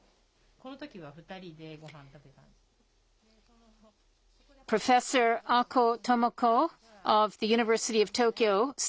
このときは２人でごはん食べたんです。